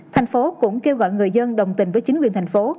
thành phố cũng kêu gọi người dân đồng tình với chính quyền thành phố